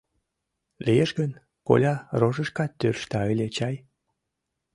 Лиеш гын, коля рожышкат тӧршта ыле чай.